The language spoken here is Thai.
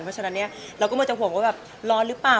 แล้วก็มันมีอาจจะห่วงว่าร้อนรึเปล่า